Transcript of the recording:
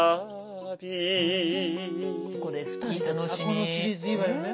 このシリーズいいわよね。